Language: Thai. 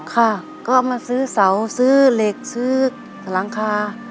ค่ะก็มาซื้อเสาซื้อเหล็กซื้อหลังคา